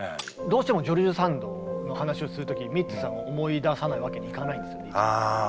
どうしてもジョルジュ・サンドの話をする時にミッツさんを思い出さないわけにはいかないんですよね。